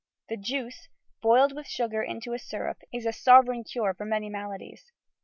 The juice, boiled with sugar into a syrup, is a sovereign cure for many maladies.